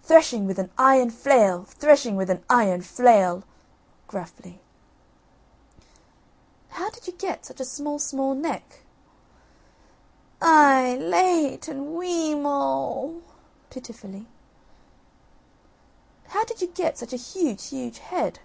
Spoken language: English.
"Threshing with an iron flail, threshing with an iron flail" (gruffly). "How did you get such a small small neck?" "Aih h h! late wee e e moul" (pitifully). "How did you get such a huge huge head?"